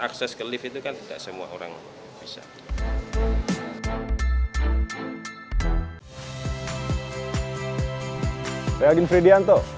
akses ke lift itu kan tidak semua orang bisa